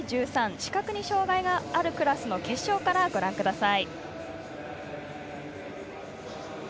視覚に障がいがあるクラスの決勝からご覧ください。